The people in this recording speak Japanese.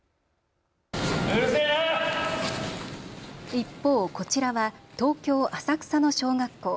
一方こちらは東京浅草の小学校。